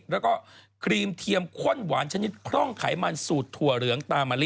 แล้วก็ครีมเทียมข้นหวานชนิดคร่องไขมันสูตรถั่วเหลืองตามะลิ